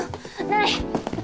ない！